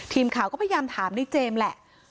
ทีมข่าวก็พยายามถามในเจมส์แหละ